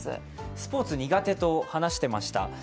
スポーツ苦手と話していました。